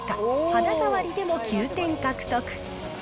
肌触りでも９点獲得。